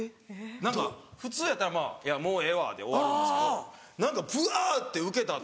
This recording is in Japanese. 普通やったら「もうええわ」で終わるんですけど何かブワ！ってウケた後。